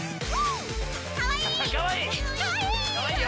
かわいい！